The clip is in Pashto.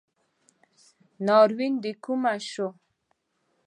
ناورین دکومه شو